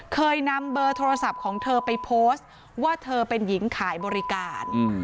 เคยนำเบอร์โทรศัพท์ของเธอไปโพสต์ว่าเธอเป็นหญิงขายบริการ